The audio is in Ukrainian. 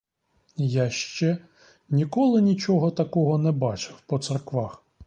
Я ще ніколи нічого такого не бачив по церквах.